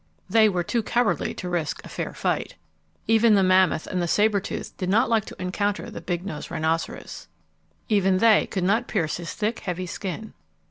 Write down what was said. They were too cowardly to risk a fair fight. Even the mammoth and sabre tooth did not like to encounter the big nosed rhinoceros. Even they could not pierce his thick, heavy skin.